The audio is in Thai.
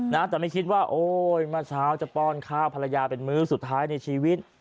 นะแต่ไม่คิดว่าโอ้ยเมื่อเช้าจะป้อนข้าวภรรยาเป็นมื้อสุดท้ายในชีวิต